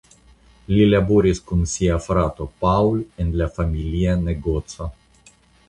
Li laboris kun sia frato Paul en la familia negoco.